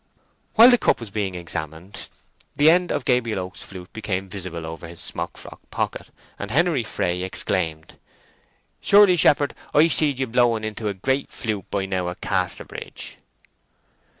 While the cup was being examined, the end of Gabriel Oak's flute became visible over his smock frock pocket, and Henery Fray exclaimed, "Surely, shepherd, I seed you blowing into a great flute by now at Casterbridge?"